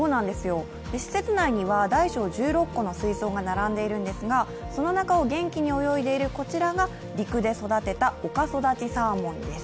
施設内には大小１６個の水槽が並んでいるんですが、その中を元気に泳いでいる、こちらが陸で育てたおかそだちサーモンです。